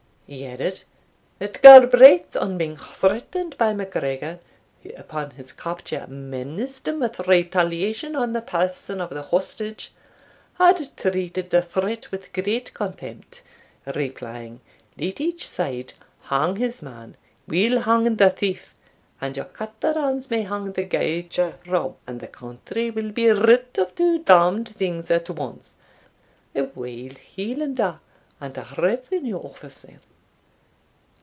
He added, "that Galbraith, on being threatened by MacGregor, who upon his capture menaced him with retaliation on the person of the hostage, had treated the threat with great contempt, replying, 'Let each side hang his man; we'll hang the thief, and your catherans may hang the gauger, Rob, and the country will be rid of two damned things at once, a wild Highlander and a revenue officer.'